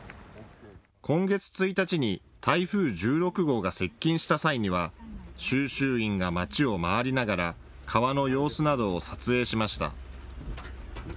今月１日に台風１６号が接近した際には収集員がまちを回りながら川の様子などを撮影しました。